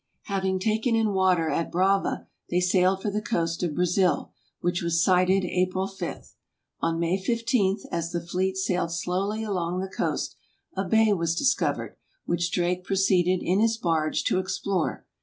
Having taken in water at Brava they sailed for the coast of Brazil, which was sighted April 5. On May 15, as the fleet sailed slowly along the coast, a bay was discovered, which Drake proceeded in his barge to explore.